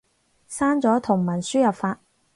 刪咗同文輸入法